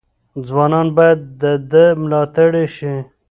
ځوانان باید د ده ملاتړي شي.